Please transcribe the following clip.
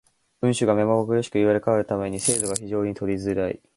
運手が目まぐるしく入れ替わる為に精度が非常に取りづらい。